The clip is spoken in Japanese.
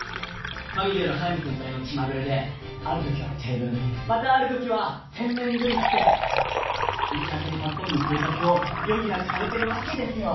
神である速見先輩の気まぐれである時はテーブルにまたある時は洗面所に行って行き当たりばったりの生活を余儀なくされてるわけですよ。